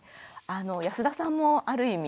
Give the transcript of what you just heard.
安田さんもある意味